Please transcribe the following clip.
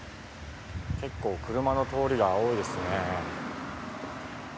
結構車の通りが多いですね。